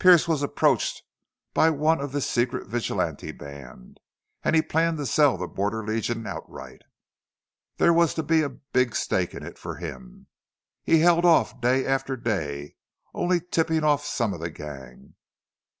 Pearce was approached by one of this secret vigilante band, an' he planned to sell the Border Legion outright. There was to be a big stake in it for him. He held off day after day, only tippin' off some of the gang.